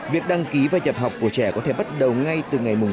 việc đăng ký và nhập học của trẻ có thể bắt đầu ngay từ ngày tám tháng hai